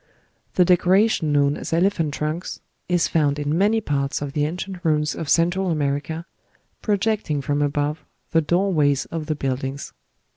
The decoration known as "elephant trunks" is found in many parts of the ancient ruins of Central America, projecting from above the door ways of the buildings.